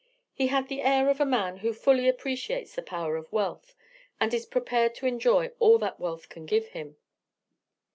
He had the air of a man who fully appreciates the power of wealth; and is prepared to enjoy all that wealth can give him.